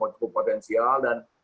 cukup potensial dan